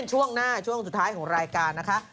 ช่วงหน้าช่วงสุดท้ายของรายการนะคะ